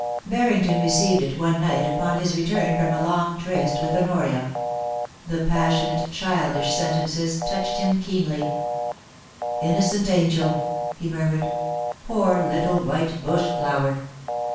Barrington received it one night upon his return from a long tryst with Honoria. The passionate childish sentences touched him keenly. 282 POLICY AND PASSION. .* Innocent Angel !* he murmured * Poor little white bushflower